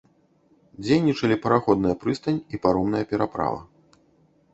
Дзейнічалі параходная прыстань і паромная пераправа.